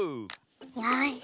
よし。